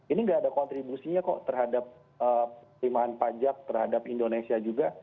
ini nggak ada kontribusinya kok terhadap terimaan pajak terhadap indonesia juga